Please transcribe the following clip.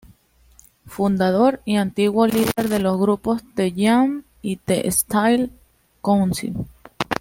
Fundador y antiguo líder de los grupos The Jam y The Style Council.